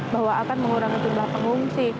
bahwa akan mengurangi jumlah pengungsi